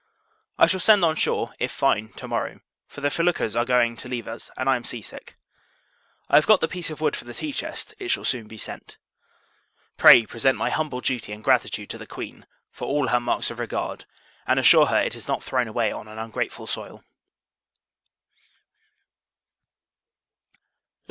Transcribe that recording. I shall send on shore, if fine, to morrow; for the feluccas are going to leave us, and I am sea sick. I have got the piece of wood for the tea chest; it shall soon be sent. Pray, present my humble duty and gratitude to the Queen, for all her marks of regard; and assure her, it is not thrown away on an ungrateful soil.